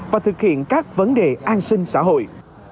và thực hiện các vấn đề an sinh xã hội